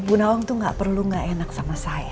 bu nawang itu gak perlu gak enak sama saya